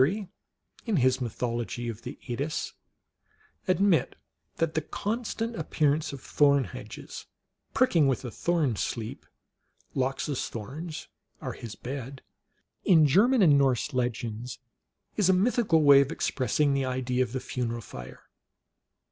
Keary, in his Mythology of the Eddas, " admit that the constant appearance of thorn hedges, pricking with a sleep thorn (Lox s thorns are his bed), in German and Norse legends, is a mythical way of expressing the idea of the funeral fire."